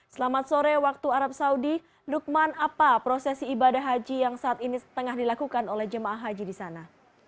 selamat sore waktu arab saudi lukman apa prosesi ibadah haji yang saat ini tengah dilakukan oleh jemaah haji di sana